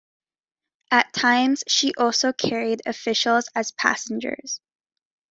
At times, she also carried officials as passengers.